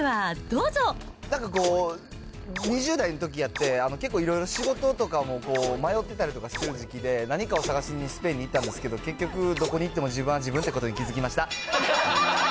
なんかこう、２０代のときやって、結構いろいろ仕事とかも迷ってたりとかしてる時期で、何かを探しにスペインに行ったんですけど、結局、どこに行っても自分は自分ということに気付きました。